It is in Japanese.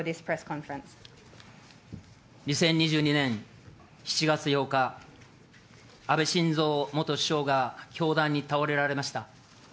２０２２年７月８日、安倍晋三元首相が凶弾に倒れられました。